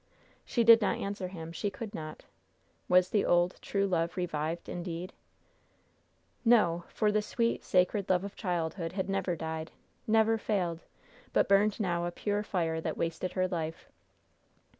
She did not answer him. She could not. Was the old, true love revived, indeed? No! for the sweet, sacred love of childhood had never died, never failed, but burned now a pure fire that wasted her life.